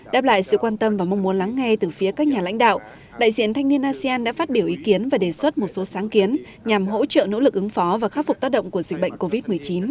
đáp lại sự quan tâm và mong muốn lắng nghe từ phía các nhà lãnh đạo đại diện thanh niên asean đã phát biểu ý kiến và đề xuất một số sáng kiến nhằm hỗ trợ nỗ lực ứng phó và khắc phục tác động của dịch bệnh covid một mươi chín